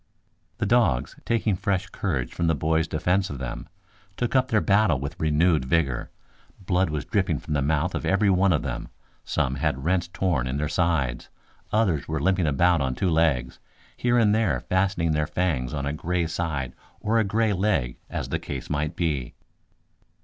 The dogs, taking fresh courage from the boys' defense of them, took up their battle with renewed vigor. Blood was dripping from the mouth of every one of them; some had rents torn in their sides, others were limping about on two legs, here and there fastening their fangs on a gray side or a gray leg as the case might be.